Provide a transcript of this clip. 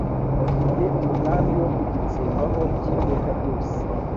bafite umugambi wo kugitsembaho by'iteka ryose.